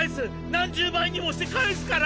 何十倍にもして返すから！